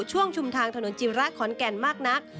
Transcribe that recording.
ช่วงชุมทางถนนจีบร้าขอนแก่นมากนัก